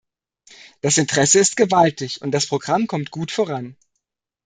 Das Interesse ist gewaltig, und das Programm kommt gut voran.